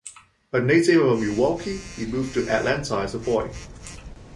A native of Milwaukee, he moved to Atlanta as a boy.